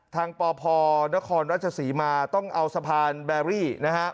ทางป่าป่อณครราชสีมาต้องเอาสะพานแบร์รี่